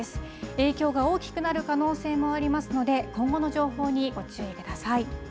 影響が大きくなる可能性もありますので今後の情報にご注意ください。